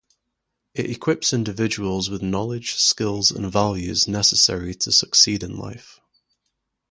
It equips individuals with knowledge, skills, and values necessary to succeed in life.